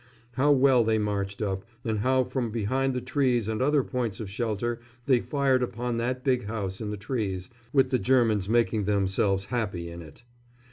How well they marched up, and how from behind the trees and other points of shelter they fired upon that big house in the trees, with the Germans making themselves happy in it.